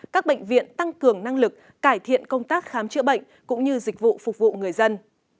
các bệnh viện tăng cường năng lực cải thiện công tác khám chữa bệnh cũng như dịch vụ phục vụ người dân